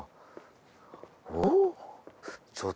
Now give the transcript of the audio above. おっ？